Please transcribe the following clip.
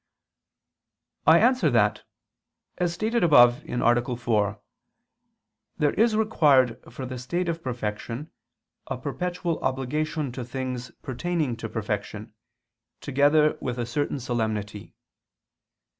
I answer that, As stated above (A. 4), there is required for the state of perfection a perpetual obligation to things pertaining to perfection, together with a certain solemnity.